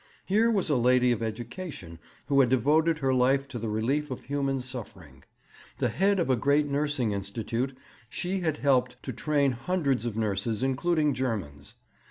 Here was a lady of education who had devoted her life to the relief of human suffering. The head of a great nursing institute, she had helped to train hundreds of nurses, including Germans.